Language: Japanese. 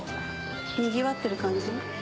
にぎわってる感じ。